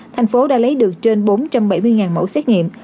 thành phố đã lấy được trên bốn trăm bảy mươi mẫu xét nghiệm